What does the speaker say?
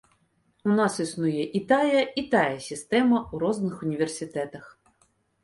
У нас існуе і тая, і тая сістэма у розных універсітэтах.